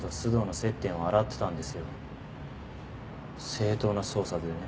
正当な捜査でね。